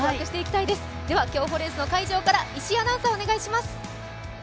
競歩レースの会場から石井アナウンサーお願いします。